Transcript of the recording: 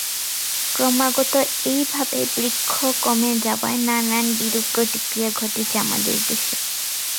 ক্রমাগত এইভাবে বৃক্ষ কমে যাওয়ায় নানান বিরূপ প্রতিক্রিয়া ঘটছে আমাদের দেশে।